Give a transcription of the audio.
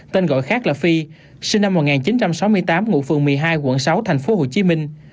tên gọi khác là phi sinh năm một nghìn chín trăm sáu mươi tám ngụ phường một mươi hai quận sáu thành phố hồ chí minh